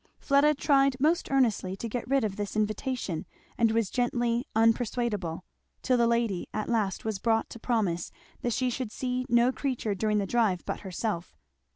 Fleda tried most earnestly to get rid of this invitation, and was gently unpersuadable, till the lady at last was brought to promise that she should see no creature during the drive but herself.